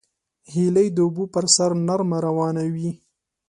هیلۍ د اوبو پر سر نرمه روانه وي